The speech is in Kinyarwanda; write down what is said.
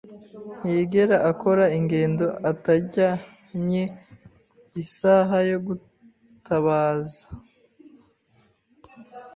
Ntiyigera akora ingendo atajyanye isaha yo gutabaza.